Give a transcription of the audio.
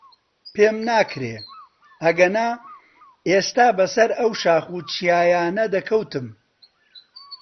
پێم ناکرێ، ئەگەنا ئێستا بەسەر ئەو شاخ و چیایانە دەکەوتم.